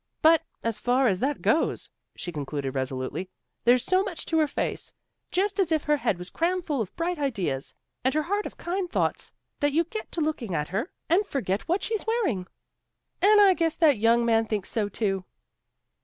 But, as far as that goes," she concluded resolutely, "there's so much to her face, just as if her head was crammed full of bright ideas, and her heart of kind thoughts, that you get to looking at her, and forget what she's wearing. An' I guess that young man thinks so, too."